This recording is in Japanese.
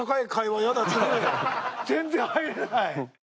全然入れない。